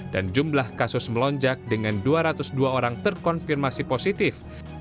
jumlah kasus melonjak dengan dua ratus dua orang terkonfirmasi positif